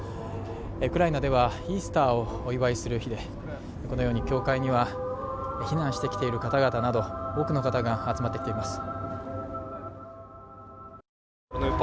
ウクライナではイースターをお祝いする日で、このように教会には避難してきている方々など、多くの方が集まってきています